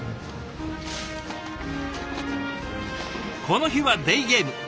この日はデーゲーム。